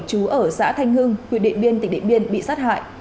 chú ở xã thanh hưng huyện điện biên tỉnh điện biên bị sát hại